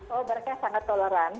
oh mereka sangat tolong